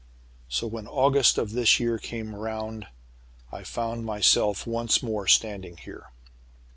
"So, when August of this year came round, I found myself once more standing here.